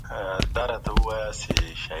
موږ د خپل زړه په روغ ساتلو بوخت یو.